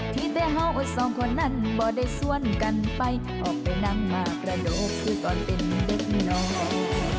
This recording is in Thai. ที่แม่ห้องอดสองคนนั้นบ่ได้สวนกันไปออกไปนั่งมาประโดกคือตอนเป็นเด็กน้อย